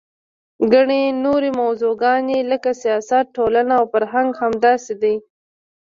ګڼې نورې موضوعګانې لکه سیاست، ټولنه او فرهنګ همداسې دي.